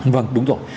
vâng đúng rồi